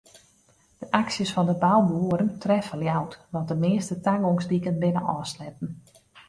De aksjes fan de bouboeren treffe Ljouwert want de measte tagongsdiken binne ôfsletten.